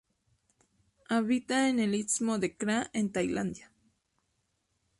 Habita en el istmo de Kra, en Tailandia.